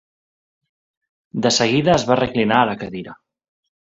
De seguida es va reclinar a la cadira.